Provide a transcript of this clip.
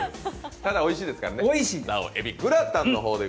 ただ、おいしいですからね。